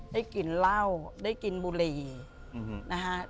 ได้กินเหล้าได้กินบุหรี่นะฮะ